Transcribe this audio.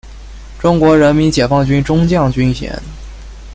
中国人民解放军中将军衔。